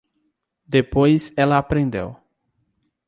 Depois ela aprendeu